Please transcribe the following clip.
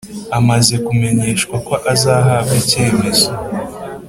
amaze kumenyeshwa ko azahabwa icyemezo,